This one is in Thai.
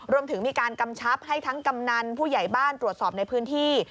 รวมถึงมีการกำชับให้ทั้งกำนันผู้ใหญ่บ้านตรวจสอบในพื้นที่